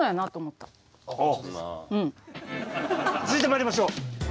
続いてまいりましょう！